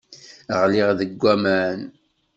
Ɣliɣ deg aman.